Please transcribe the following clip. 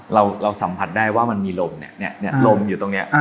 เราสัมผัสได้ว่ามันมีลมเนี่ยลมอยู่ตรงนี้